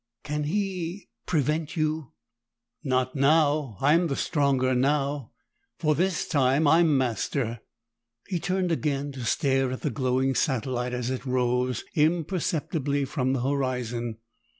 "Can he prevent you?" "Not now! I'm the stronger now. For this time, I'm master." He turned again to stare at the glowing satellite as it rose imperceptibly from the horizon.